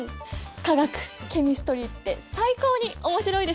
化学ケミストリーって最高に面白いでしょ！